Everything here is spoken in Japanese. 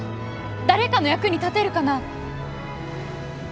誰かの役に立てるかな？